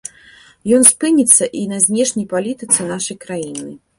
Ён спыніцца і на знешняй палітыцы нашай краіны.